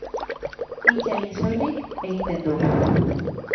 Hitz egin soilik egiten du.